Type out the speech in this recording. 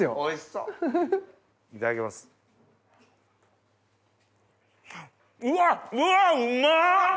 うわうまっ！